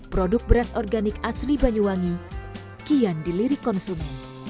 produk beras organik asli banyuwangi kian dilirik konsumen